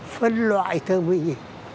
phân loại thương minh